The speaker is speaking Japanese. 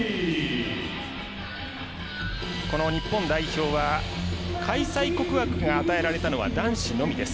日本代表は開催国枠が与えられたのは男子のみです。